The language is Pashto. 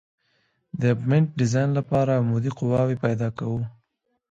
د ابټمنټ ډیزاین لپاره عمودي قواوې پیدا کوو